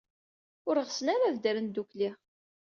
Ur ɣsen ara ad ddren ddukkli.